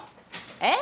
えっ！？